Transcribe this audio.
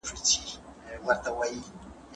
موږ باید خپل ټولنیز عمل تفسیر کړو.